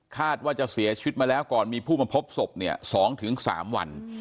ว่าจะเสียชีวิตมาแล้วก่อนมีผู้มาพบศพเนี่ย๒๓วัน